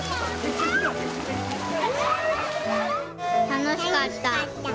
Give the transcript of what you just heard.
楽しかった。